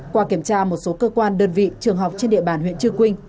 qua kiểm tra một số cơ quan đơn vị trường học trên địa bàn huyện cư cung